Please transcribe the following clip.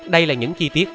đây là những chi tiết